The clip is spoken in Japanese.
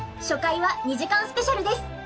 初回は２時間スペシャルです。